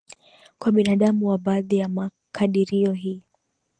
kwa binadamu kwa baadhi ya makadirio hii